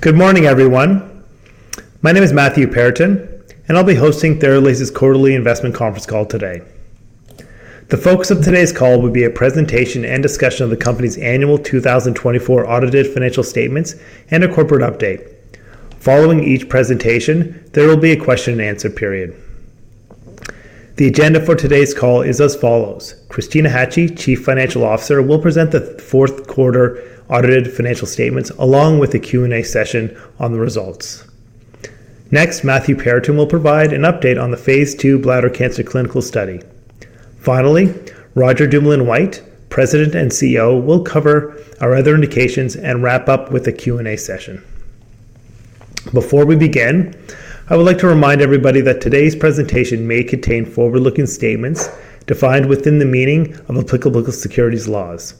Good morning, everyone. My name is Matthew Perraton, and I'll be hosting Theralase's quarterly investment conference call today. The focus of today's call will be a presentation and discussion of the company's annual 2024 audited financial statements and a corporate update. Following each presentation, there will be a question-and-answer period. The agenda for today's call is as follows: Kristina Hache, Chief Financial Officer, will present the fourth quarter audited financial statements along with a Q&A session on the results. Next, Matthew Perraton will provide an update on the Phase II bladder cancer clinical study. Finally, Roger Dumoulin-White, President and CEO, will cover our other indications and wrap up with a Q&A session. Before we begin, I would like to remind everybody that today's presentation may contain forward-looking statements defined within the meaning of applicable securities laws.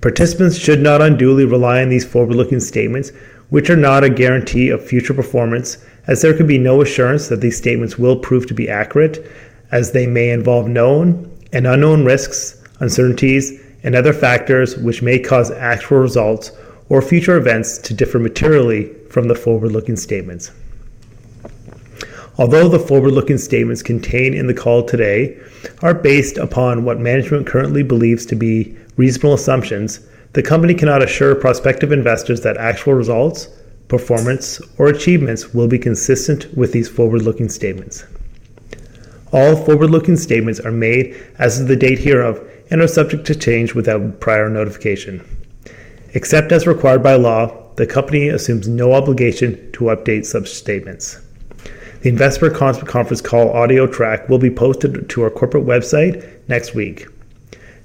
Participants should not unduly rely on these forward-looking statements, which are not a guarantee of future performance, as there can be no assurance that these statements will prove to be accurate, as they may involve known and unknown risks, uncertainties, and other factors which may cause actual results or future events to differ materially from the forward-looking statements. Although the forward-looking statements contained in the call today are based upon what management currently believes to be reasonable assumptions, the company cannot assure prospective investors that actual results, performance, or achievements will be consistent with these forward-looking statements. All forward-looking statements are made as of the date hereof and are subject to change without prior notification. Except as required by law, the company assumes no obligation to update such statements. The investor conference call audio track will be posted to our corporate website next week.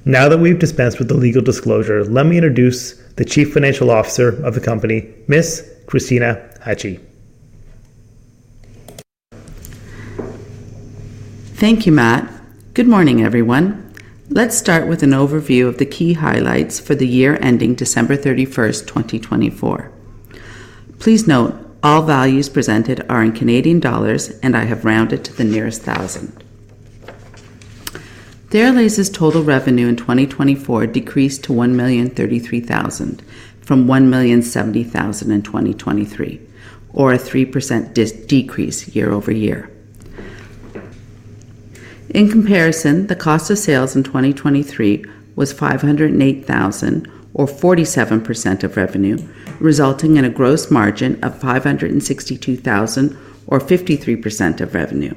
Now that we've dispensed with the legal disclosure, let me introduce the Chief Financial Officer of the company, Ms. Kristina Hache. Thank you, Matt. Good morning, everyone. Let's start with an overview of the key highlights for the year ending December 31, 2024. Please note all values presented are in Canadian dollars, and I have rounded to the nearest thousand. Theralase's total revenue in 2024 decreased to 1,033,000 from 1,070,000 in 2023, or a 3% decrease year-over-year. In comparison, the cost of sales in 2023 was 508,000, or 47% of revenue, resulting in a gross margin of 562,000, or 53% of revenue.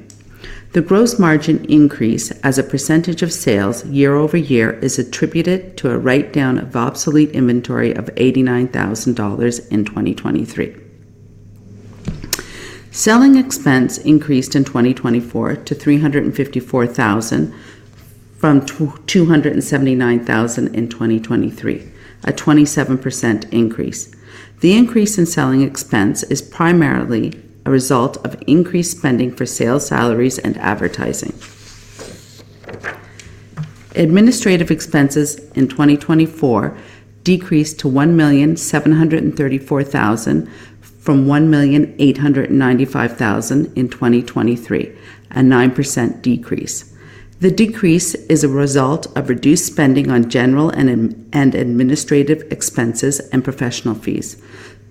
The gross margin increase as a percentage of sales year-over-year is attributed to a write-down of obsolete inventory of 89,000 dollars in 2023. Selling expense increased in 2024 to 354,000 from 279,000 in 2023, a 27% increase. The increase in selling expense is primarily a result of increased spending for sales salaries and advertising. Administrative expenses in 2024 decreased to 1,734,000 from 1,895,000 in 2023, a 9% decrease. The decrease is a result of reduced spending on general and administrative expenses and professional fees.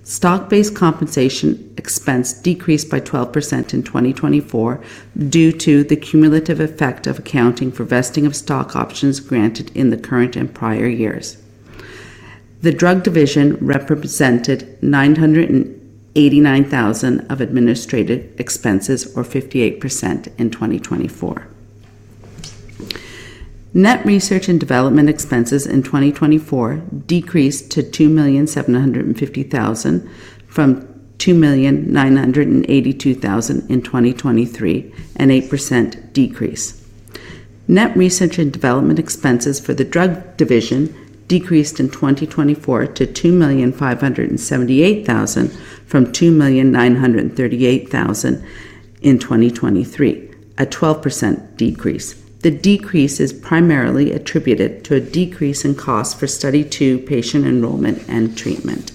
Stock-based compensation expense decreased by 12% in 2024 due to the cumulative effect of accounting for vesting of stock options granted in the current and prior years. The drug division represented 989,000 of administrative expenses, or 58% in 2024. Net research and development expenses in 2024 decreased to 2,750,000 from 2,982,000 in 2023, an 8% decrease. Net research and development expenses for the drug division decreased in 2024 to 2,578,000 from 2,938,000 in 2023, a 12% decrease. The decrease is primarily attributed to a decrease in cost for Study II patient enrollment and treatment.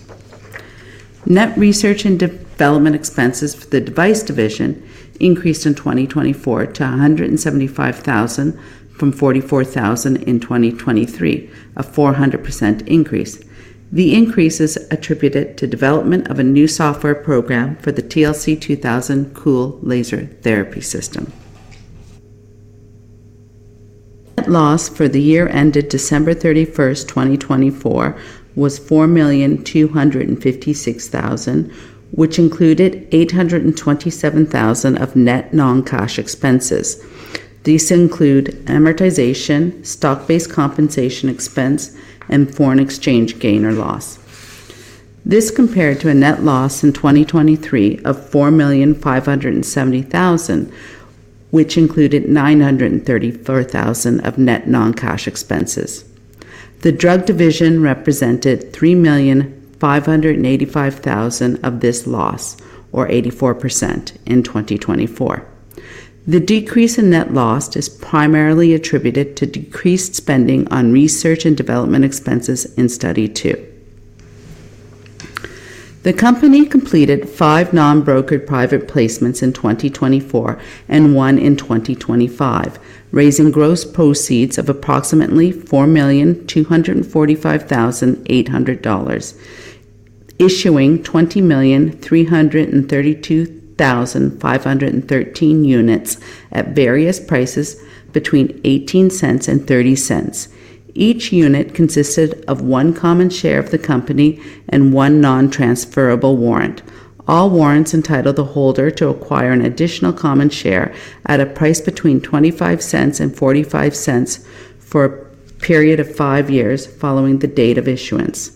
Net research and development expenses for the device division increased in 2024 to 175,000 from 44,000 in 2023, a 400% increase. The increase is attributed to development of a new software program for the TLC-2000 Cool Laser Therapy System. Net loss for the year ended December 31, 2024, was 4,256,000, which included 827,000 of net non-cash expenses. These include amortization, stock-based compensation expense, and foreign exchange gain or loss. This compared to a net loss in 2023 of 4,570,000, which included 934,000 of net non-cash expenses. The drug division represented 3,585,000 of this loss, or 84% in 2024. The decrease in net loss is primarily attributed to decreased spending on research and development expenses in Study II. The company completed five non-brokered private placements in 2024 and one in 2025, raising gross proceeds of approximately 4,245,800 dollars, issuing 20,332,513 units at various prices between 0.18-0.30. Each unit consisted of one common share of the company and one non-transferable warrant. All warrants entitled the holder to acquire an additional common share at a price between 0.25 and 0.45 for a period of five years following the date of issuance.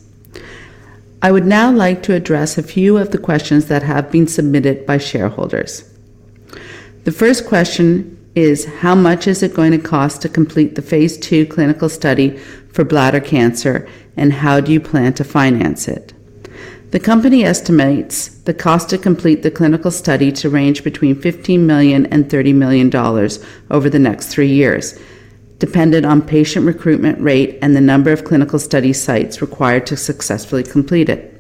I would now like to address a few of the questions that have been submitted by shareholders. The first question is, how much is it going to cost to complete the Phase II clinical study for bladder cancer, and how do you plan to finance it? The company estimates the cost to complete the clinical study to range between 15 million and 30 million dollars over the next three years, dependent on patient recruitment rate and the number of clinical study sites required to successfully complete it.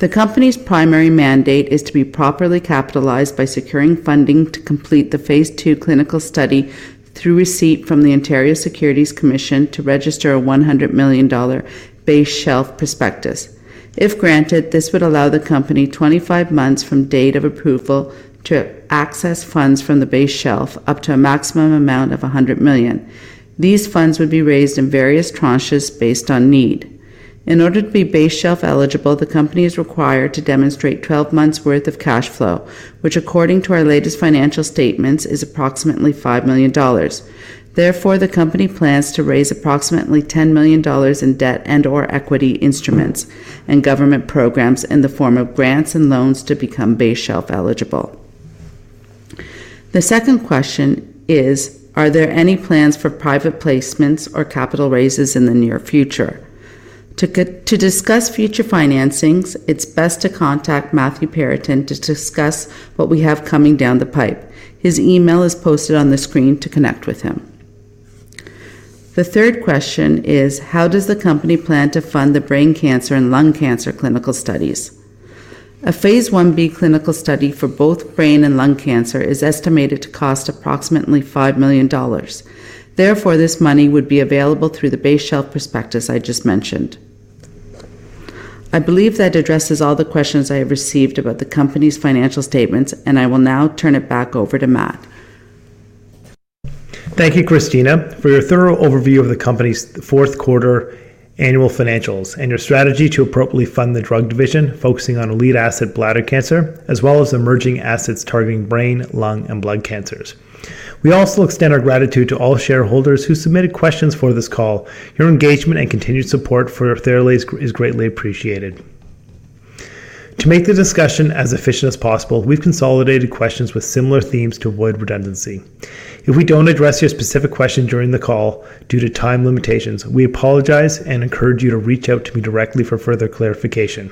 The company's primary mandate is to be properly capitalized by securing funding to complete the Phase II clinical study through receipt from the Ontario Securities Commission to register a 100 million dollar base shelf prospectus. If granted, this would allow the company 25 months from date of approval to access funds from the base shelf up to a maximum amount of 100 million. These funds would be raised in various tranches based on need. In order to be base shelf eligible, the company is required to demonstrate 12 months' worth of cash flow, which, according to our latest financial statements, is approximately 5 million dollars. Therefore, the company plans to raise approximately 10 million dollars in debt and/or equity instruments and government programs in the form of grants and loans to become base shelf eligible. The second question is, are there any plans for private placements or capital raises in the near future? To discuss future financings, it's best to contact Matthew Perraton to discuss what we have coming down the pipe. His email is posted on the screen to connect with him. The third question is, how does the company plan to fund the brain cancer and lung cancer clinical studies? A Phase Ib clinical study for both brain and lung cancer is estimated to cost approximately 5 million dollars. Therefore, this money would be available through the base shelf prospectus I just mentioned. I believe that addresses all the questions I have received about the company's financial statements, and I will now turn it back over to Matt. Thank you, Kristina, for your thorough overview of the company's fourth quarter annual financials and your strategy to appropriately fund the drug division, focusing on a lead asset, bladder cancer, as well as emerging assets targeting brain, lung, and blood cancers. We also extend our gratitude to all shareholders who submitted questions for this call. Your engagement and continued support for Theralase is greatly appreciated. To make the discussion as efficient as possible, we've consolidated questions with similar themes to avoid redundancy. If we don't address your specific question during the call due to time limitations, we apologize and encourage you to reach out to me directly for further clarification.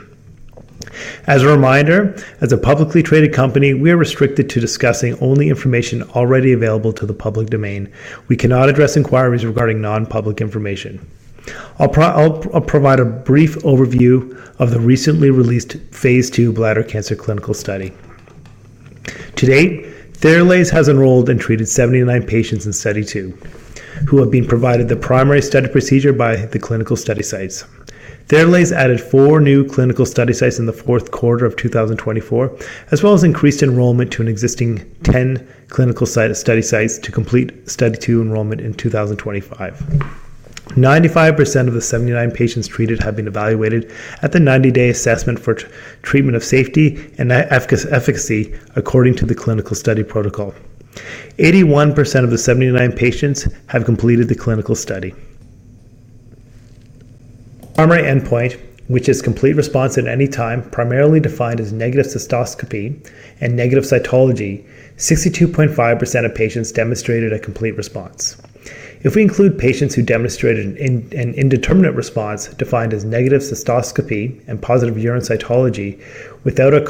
As a reminder, as a publicly traded company, we are restricted to discussing only information already available to the public domain. We cannot address inquiries regarding non-public information. I'll provide a brief overview of the recently released Phase II bladder cancer clinical study. To date, Theralase has enrolled and treated 79 patients in Study II who have been provided the primary study procedure by the clinical study sites. Theralase added four new clinical study sites in the fourth quarter of 2024, as well as increased enrollment to an existing 10 clinical study sites to complete Study II enrollment in 2025. 95% of the 79 patients treated have been evaluated at the 90-day assessment for treatment of safety and efficacy according to the clinical study protocol. 81% of the 79 patients have completed the clinical study. Primary endpoint, which is complete response at any time, primarily defined as negative cystoscopy and negative cytology, 62.5% of patients demonstrated a complete response. If we include patients who demonstrated an indeterminate response defined as negative cystoscopy and positive urine cytology without a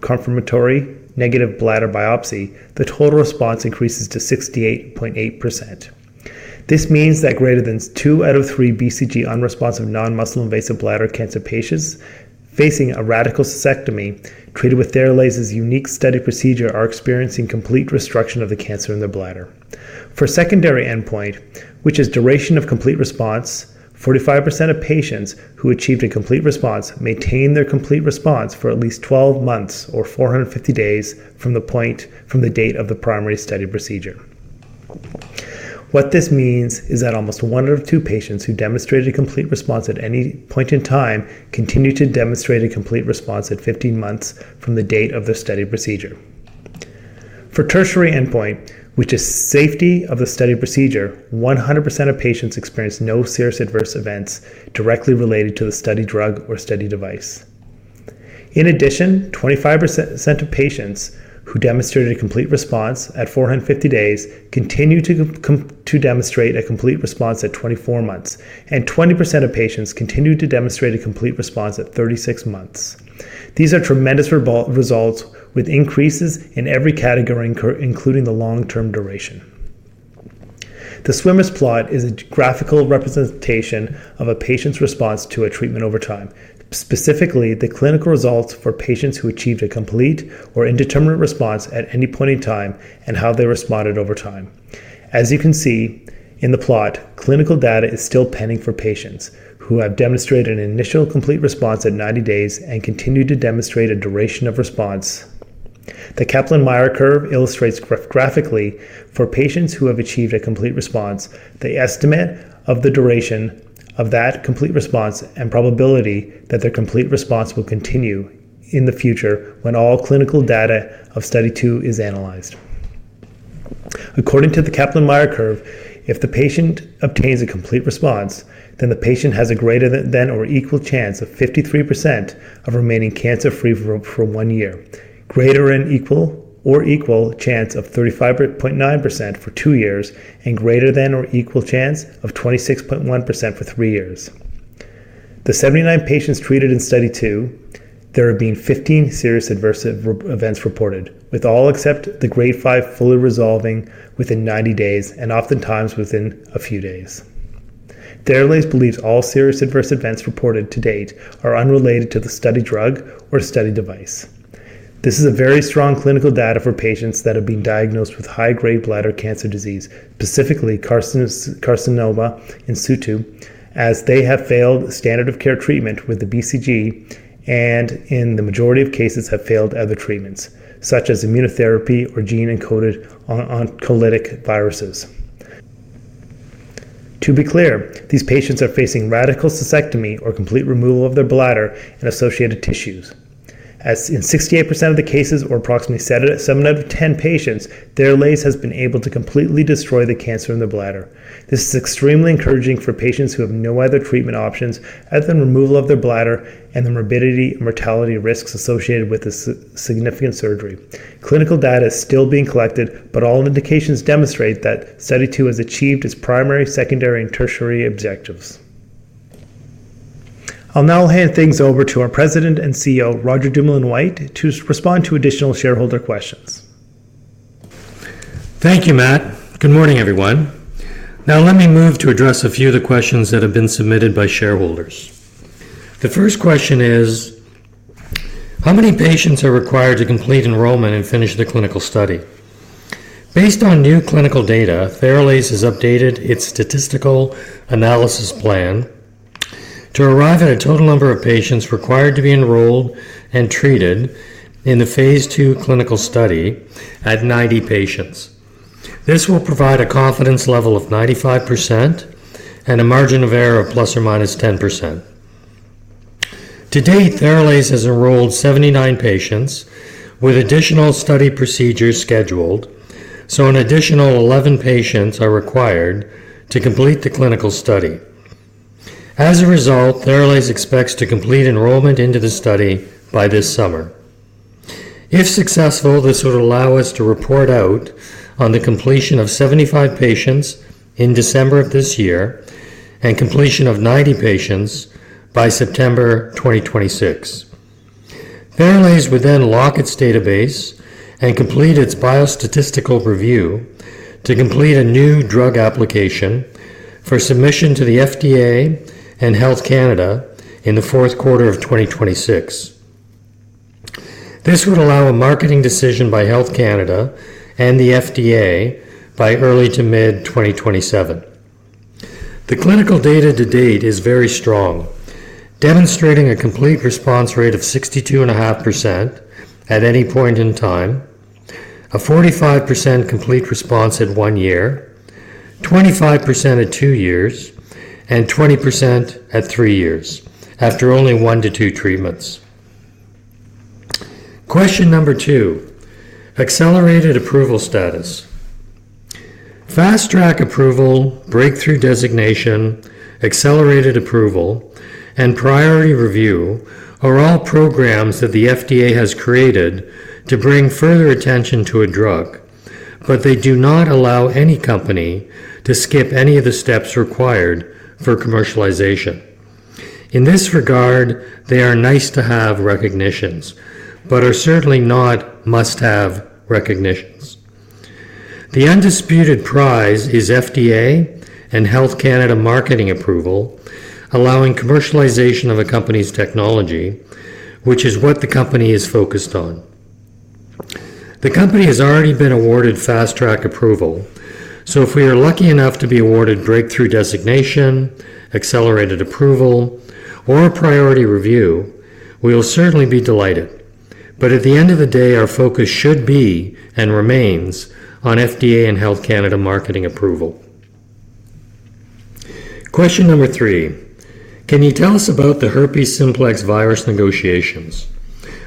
confirmatory negative bladder biopsy, the total response increases to 68.8%. This means that greater than two out of three BCG unresponsive non-muscle invasive bladder cancer patients facing a radical cystectomy treated with Theralase's unique study procedure are experiencing complete restriction of the cancer in the bladder. For secondary endpoint, which is duration of complete response, 45% of patients who achieved a complete response maintained their complete response for at least 12 months or 450 days from the date of the primary study procedure. What this means is that almost one out of two patients who demonstrated a complete response at any point in time continue to demonstrate a complete response at 15 months from the date of the study procedure. For the tertiary endpoint, which is safety of the study procedure, 100% of patients experienced no serious adverse events directly related to the study drug or study device. In addition, 25% of patients who demonstrated a complete response at 450 days continue to demonstrate a complete response at 24 months, and 20% of patients continue to demonstrate a complete response at 36 months. These are tremendous results with increases in every category, including the long-term duration. The swimmers' plot is a graphical representation of a patient's response to a treatment over time, specifically the clinical results for patients who achieved a complete or indeterminate response at any point in time and how they responded over time. As you can see in the plot, clinical data is still pending for patients who have demonstrated an initial complete response at 90 days and continue to demonstrate a duration of response. The Kaplan-Meier curve illustrates graphically for patients who have achieved a complete response, the estimate of the duration of that complete response and probability that their complete response will continue in the future when all clinical data of Study II is analyzed. According to the Kaplan-Meier curve, if the patient obtains a complete response, then the patient has a greater than or equal chance of 53% of remaining cancer-free for one year, greater than or equal chance of 35.9% for two years, and greater than or equal chance of 26.1% for three years. Of the 79 patients treated in Study II, there have been 15 serious adverse events reported, with all except the Grade 5 fully resolving within 90 days and oftentimes within a few days. Theralase believes all serious adverse events reported to date are unrelated to the study drug or study device. This is very strong clinical data for patients that have been diagnosed with high-grade bladder cancer disease, specifically carcinoma in situ, as they have failed standard of care treatment with the BCG and in the majority of cases have failed other treatments, such as immunotherapy or gene-encoded oncolytic viruses. To be clear, these patients are facing radical cystectomy or complete removal of their bladder and associated tissues. In 68% of the cases, or approximately seven out of 10 patients, Theralase has been able to completely destroy the cancer in the bladder. This is extremely encouraging for patients who have no other treatment options other than removal of their bladder and the morbidity and mortality risks associated with this significant surgery. Clinical data is still being collected, but all indications demonstrate that Study II has achieved its primary, secondary, and tertiary objectives. I'll now hand things over to our President and CEO, Roger Dumoulin-White, to respond to additional shareholder questions. Thank you, Matt. Good morning, everyone. Now let me move to address a few of the questions that have been submitted by shareholders. The first question is, how many patients are required to complete enrollment and finish the clinical study? Based on new clinical data, Theralase has updated its statistical analysis plan to arrive at a total number of patients required to be enrolled and treated in the Phase II clinical study at 90 patients. This will provide a confidence level of 95% and a margin of error of ±10%. To date, Theralase has enrolled 79 patients with additional study procedures scheduled, so an additional 11 patients are required to complete the clinical study. As a result, Theralase expects to complete enrollment into the study by this summer. If successful, this would allow us to report out on the completion of 75 patients in December of this year and completion of 90 patients by September 2026. Theralase would then lock its database and complete its biostatistical review to complete a New Drug Application for submission to the FDA and Health Canada in the fourth quarter of 2026. This would allow a marketing decision by Health Canada and the FDA by early to mid-2027. The clinical data to date is very strong, demonstrating a complete response rate of 62.5% at any point in time, a 45% complete response at one year, 25% at two years, and 20% at three years after only one to two treatments. Question number two, accelerated approval status. Fast Track approval, Breakthrough Designation, Accelerated Approval, and Priority Review are all programs that the FDA has created to bring further attention to a drug, but they do not allow any company to skip any of the steps required for commercialization. In this regard, they are nice-to-have recognitions but are certainly not must-have recognitions. The undisputed prize is FDA and Health Canada marketing approval, allowing commercialization of a company's technology, which is what the company is focused on. The company has already been awarded Fast Track approval, so if we are lucky enough to be awarded Breakthrough Designation, Accelerated Approval, or Priority Review, we will certainly be delighted. At the end of the day, our focus should be and remains on FDA and Health Canada marketing approval. Question number three, can you tell us about the herpes simplex virus negotiations?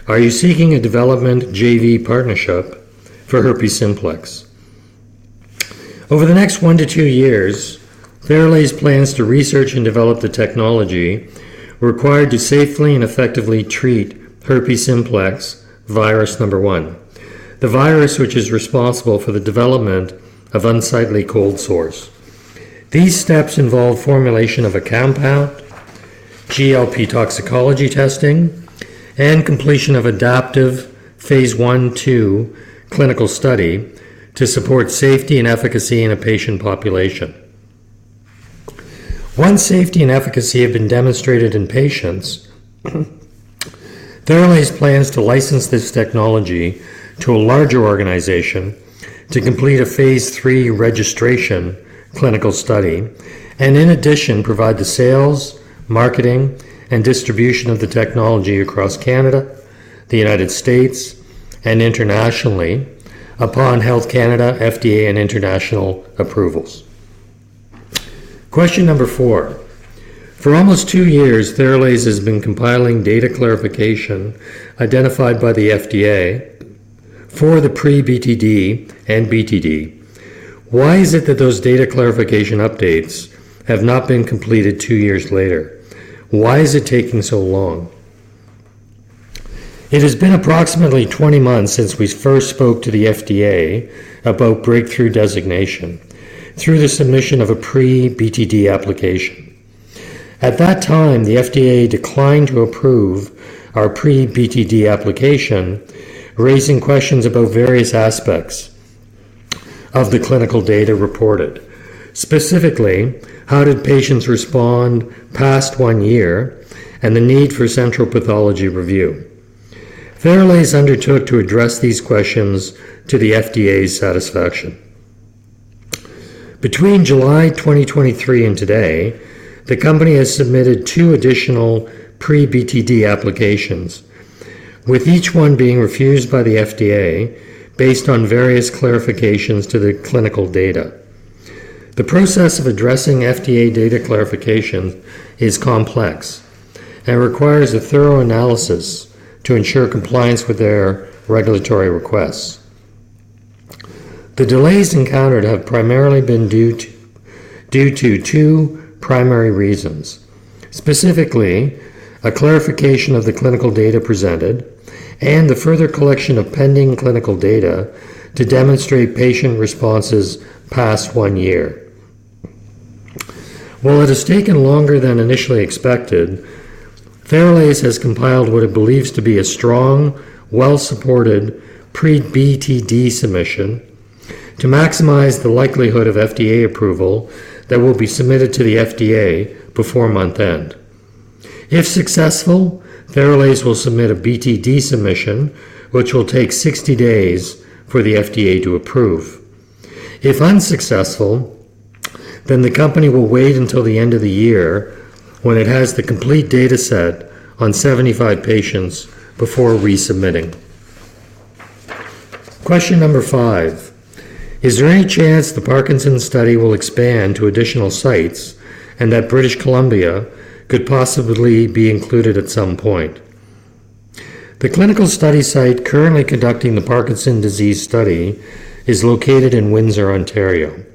Are you seeking a development JV partnership for herpes simplex? Over the next one to two years, Theralase plans to research and develop the technology required to safely and effectively treat herpes simplex virus type 1, the virus which is responsible for the development of unsightly cold sores. These steps involve formulation of a compound, GLP toxicology testing, and completion of adaptive Phase I-II clinical study to support safety and efficacy in a patient population. Once safety and efficacy have been demonstrated in patients, Theralase plans to license this technology to a larger organization to complete a Phase III registration clinical study and, in addition, provide the sales, marketing, and distribution of the technology across Canada, the United States, and internationally upon Health Canada, FDA, and international approvals. Question number four, for almost two years, Theralase has been compiling data clarification identified by the FDA for the pre-BTD and BTD. Why is it that those data clarification updates have not been completed two years later? Why is it taking so long? It has been approximately 20 months since we first spoke to the FDA about Breakthrough Designation through the submission of a pre-BTD application. At that time, the FDA declined to approve our pre-BTD application, raising questions about various aspects of the clinical data reported, specifically how did patients respond past one year and the need for central pathology review. Theralase undertook to address these questions to the FDA's satisfaction. Between July 2023 and today, the company has submitted two additional pre-BTD applications, with each one being refused by the FDA based on various clarifications to the clinical data. The process of addressing FDA data clarification is complex and requires a thorough analysis to ensure compliance with their regulatory requests. The delays encountered have primarily been due to two primary reasons, specifically a clarification of the clinical data presented and the further collection of pending clinical data to demonstrate patient responses past one year. While it has taken longer than initially expected, Theralase has compiled what it believes to be a strong, well-supported pre-BTD submission to maximize the likelihood of FDA approval that will be submitted to the FDA before month end. If successful, Theralase will submit a BTD submission, which will take 60 days for the FDA to approve. If unsuccessful, then the company will wait until the end of the year when it has the complete data set on 75 patients before resubmitting. Question number five, is there any chance the Parkinson's study will expand to additional sites and that British Columbia could possibly be included at some point? The clinical study site currently conducting the Parkinson's disease study is located in Windsor, Ontario.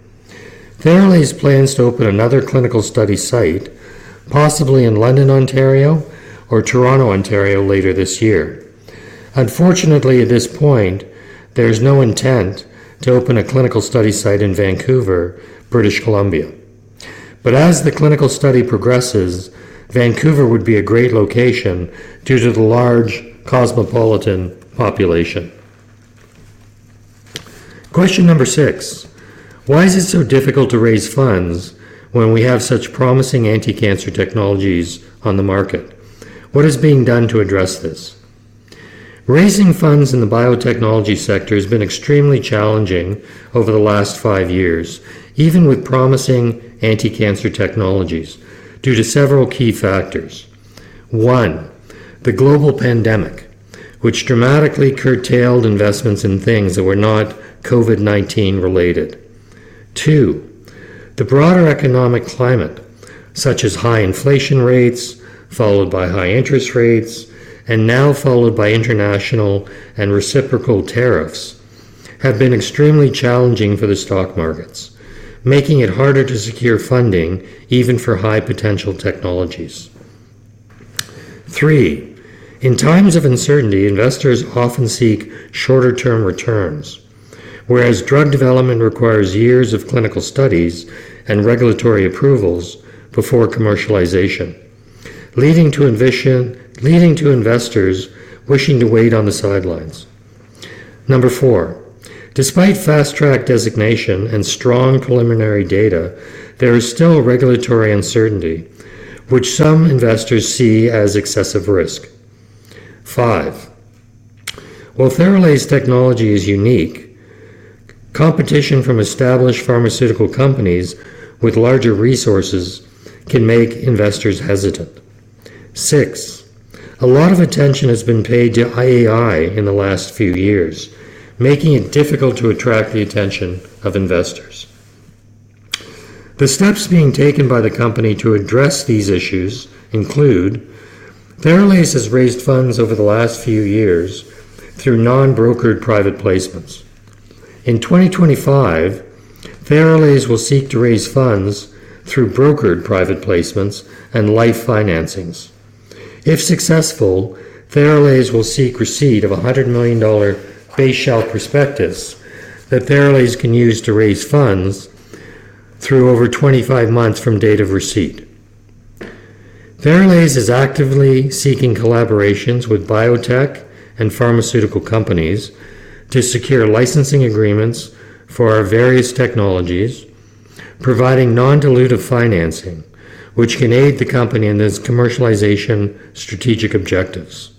Theralase plans to open another clinical study site, possibly in London, Ontario, or Toronto, Ontario later this year. Unfortunately, at this point, there is no intent to open a clinical study site in Vancouver, British Columbia. As the clinical study progresses, Vancouver would be a great location due to the large cosmopolitan population. Question number six, why is it so difficult to raise funds when we have such promising anti-cancer technologies on the market? What is being done to address this? Raising funds in the biotechnology sector has been extremely challenging over the last five years, even with promising anti-cancer technologies, due to several key factors. One, the global pandemic, which dramatically curtailed investments in things that were not COVID-19 related. Two, the broader economic climate, such as high inflation rates followed by high interest rates and now followed by international and reciprocal tariffs, have been extremely challenging for the stock markets, making it harder to secure funding even for high-potential technologies. Three, in times of uncertainty, investors often seek shorter-term returns, whereas drug development requires years of clinical studies and regulatory approvals before commercialization, leading to investors wishing to wait on the sidelines. Number four, despite Fast Track designation and strong preliminary data, there is still regulatory uncertainty, which some investors see as excessive risk. Five, while Theralase technology is unique, competition from established pharmaceutical companies with larger resources can make investors hesitant. Six, a lot of attention has been paid to AI in the last few years, making it difficult to attract the attention of investors. The steps being taken by the company to address these issues include Theralase has raised funds over the last few years through non-brokered private placements. In 2025, Theralase will seek to raise funds through brokered private placements and LIFE financings. If successful, Theralase will seek receipt of 100 million dollar base shelf prospectus that Theralase can use to raise funds through over 25 months from date of receipt. Theralase is actively seeking collaborations with biotech and pharmaceutical companies to secure licensing agreements for our various technologies, providing non-dilutive financing, which can aid the company in its commercialization strategic objectives.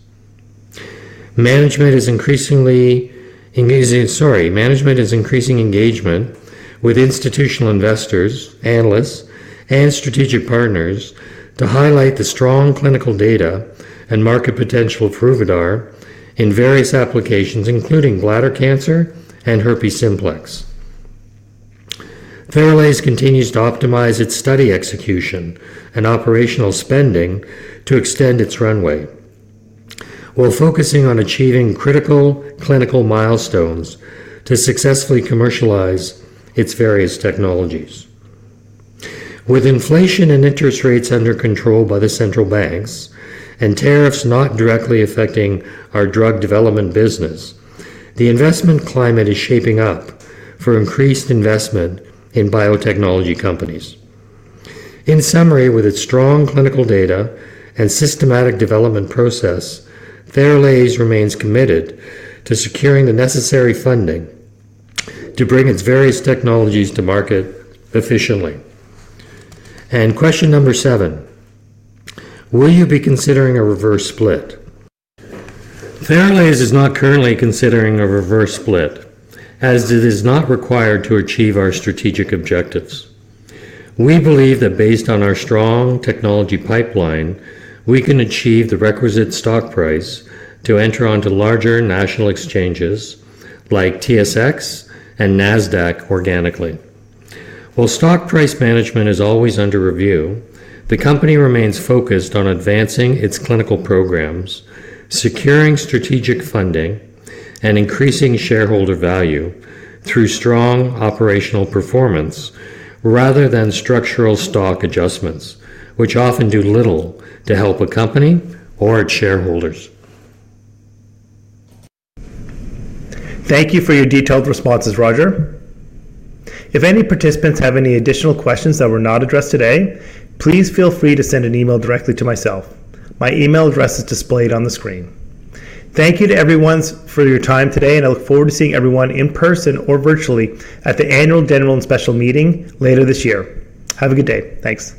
Management is increasingly engaged with institutional investors, analysts, and strategic partners to highlight the strong clinical data and market potential of Ruvidar in various applications, including bladder cancer and herpes simplex. Theralase continues to optimize its study execution and operational spending to extend its runway, while focusing on achieving critical clinical milestones to successfully commercialize its various technologies. With inflation and interest rates under control by the central banks and tariffs not directly affecting our drug development business, the investment climate is shaping up for increased investment in biotechnology companies. In summary, with its strong clinical data and systematic development process, Theralase remains committed to securing the necessary funding to bring its various technologies to market efficiently. Question number seven, will you be considering a reverse split? Theralase is not currently considering a reverse split, as it is not required to achieve our strategic objectives. We believe that based on our strong technology pipeline, we can achieve the requisite stock price to enter onto larger national exchanges like TSX and NASDAQ organically. While stock price management is always under review, the company remains focused on advancing its clinical programs, securing strategic funding, and increasing shareholder value through strong operational performance rather than structural stock adjustments, which often do little to help a company or its shareholders. Thank you for your detailed responses, Roger. If any participants have any additional questions that were not addressed today, please feel free to send an email directly to myself. My email address is displayed on the screen. Thank you to everyone for your time today, and I look forward to seeing everyone in person or virtually at the Annual General and Special Meeting later this year. Have a good day. Thanks.